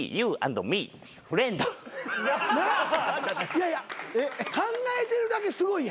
いやいや考えてるだけすごいやん。